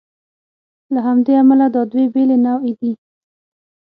له همدې امله دا دوې بېلې نوعې دي.